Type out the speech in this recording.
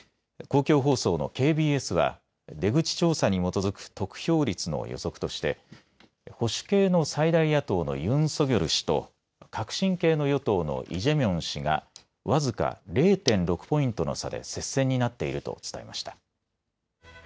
公共放送のＫＢＳは出口調査に基づく得票率の予測として保守系の最大野党のユン・ソギョル氏と革新系の与党のイ・ジェミョン氏が僅か０．６ポイントの差で接戦になっていると伝えました。